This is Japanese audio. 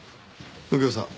右京さん